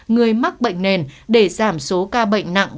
người mắc bệnh nền để giảm số ca bệnh nặng